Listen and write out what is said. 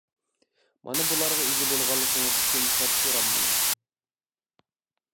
مانا بۇلارغا ئىگە بولغانلىقىڭىز ئۈچۈن شاد-خۇرام بولۇڭ.